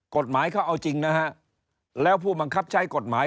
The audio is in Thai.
กฎหมายเขาเอาจริงนะฮะแล้วผู้บังคับใช้กฎหมาย